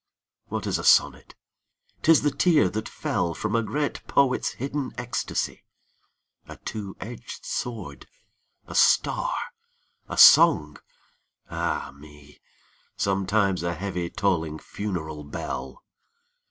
What is a sonnet ? 'T is the tear that fell From a great poet's hidden ecstasy ; A two edged sword, a star, a song — ah me I Sometimes a heavy tolling funeral bell.